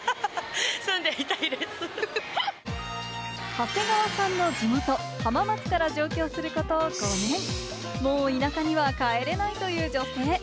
長谷川さんの地元・浜松から上京すること５年、もう田舎には帰れないという女性。